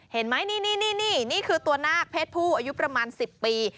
เห็นไหมนี่นี่คือตัวนาคเศษผู้อายุประมาณ๑๐ปี